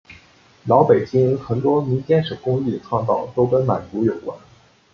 老北京很多民间手工艺的创造都跟满族有关。